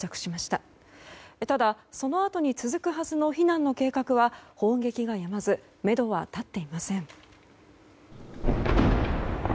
ただ、そのあとに続くはずの避難の計画は砲撃がやまずめどは立っていません。